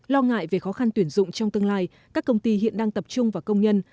lo ngại về khó khăn tuyển dụng trong tương lai các công ty hiện đang tập trung vào công nhân